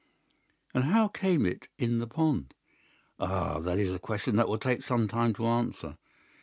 "'And how came it in the pond?' "'Ah, that is a question that will take some time to answer.